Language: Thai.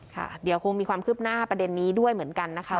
ค่ะเดี๋ยวคงมีความคืบหน้าประเด็นนี้ด้วยเหมือนกันนะคะ